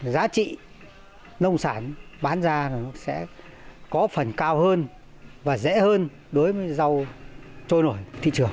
giá trị nông sản bán ra nó sẽ có phần cao hơn và dễ hơn đối với rau trôi nổi thị trường